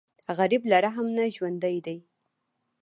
غریب له رحم نه ژوندی دی